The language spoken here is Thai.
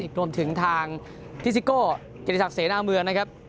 อีกรวมถึงทางทิซิโก่เกณฑศักดิ์เสนอเมืองนะครับ